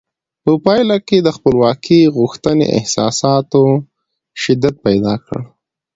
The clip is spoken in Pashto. په پایله کې د خپلواکۍ غوښتنې احساساتو شدت پیدا کړ.